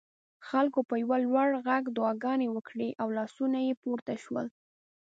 خلکو په یو لوړ غږ دعاګانې وکړې او لاسونه پورته شول.